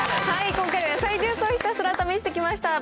今回は野菜ジュースをひたすら試してきました。